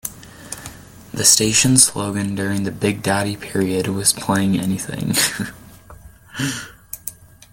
The station's slogan during the Big Daddy period was "Playing Anything".